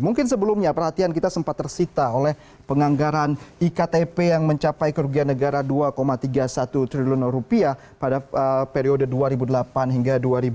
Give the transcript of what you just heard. mungkin sebelumnya perhatian kita sempat tersita oleh penganggaran iktp yang mencapai kerugian negara dua tiga puluh satu triliun rupiah pada periode dua ribu delapan hingga dua ribu dua puluh